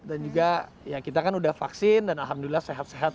dan juga ya kita kan udah vaksin dan alhamdulillah sehat sehat